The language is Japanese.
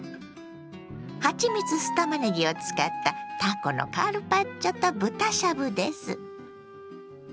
「はちみつ酢たまねぎ」を使ったたこのカルパッチョと豚しゃぶです。